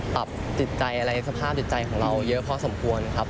จิตใจอะไรสภาพจิตใจของเราเยอะพอสมควรครับ